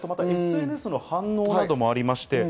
ＳＮＳの反応などもあります。